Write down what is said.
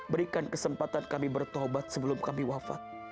berikan kesempatan kami bertobat sebelum kami wafat